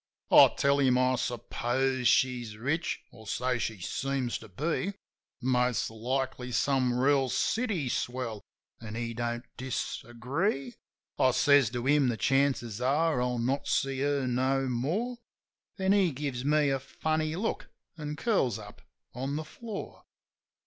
I tell him I suppose she's rich, or so she seems to be ; Most likely some reel city swell — an' he don't disagree. I says to him the chances are I'll not see her no more. Then he gives me a funny look, an' curls up on the floor.